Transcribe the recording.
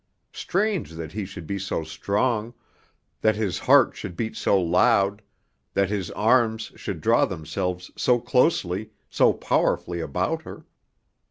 Strange that he should be so strong, that his heart should beat so loud, that his arms should draw themselves so closely, so powerfully about her.